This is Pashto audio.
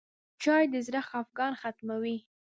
چای د زړه خفګان ختموي.